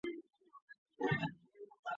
局部场电位是一类特殊的电生理信号。